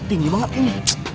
tinggi banget ini